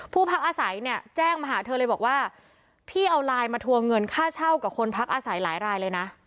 พักอาศัยเนี่ยแจ้งมาหาเธอเลยบอกว่าพี่เอาไลน์มาทวงเงินค่าเช่ากับคนพักอาศัยหลายรายเลยนะ